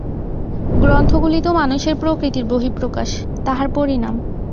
গ্রন্থগুলি তো মানুষের প্রকৃতির বহিঃপ্রকাশ, তাহার পরিণাম।